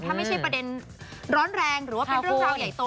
ถ้าไม่ใช่ประเด็นร้อนแรงหรือว่าเป็นเรื่องราวใหญ่โต